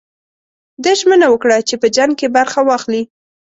ده ژمنه وکړه چې په جنګ کې برخه واخلي.